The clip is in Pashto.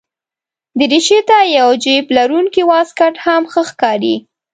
دریشي ته یو جېب لرونکی واسکټ هم ښه ښکاري.